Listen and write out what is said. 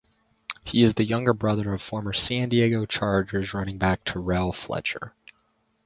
He is the younger brother of former San Diego Chargers running back Terrell Fletcher.